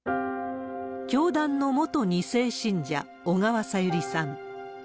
教団の元２世信者、小川さゆりさん。